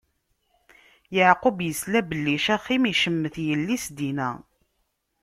Yeɛqub isla belli Caxim icemmet yelli-s Dina.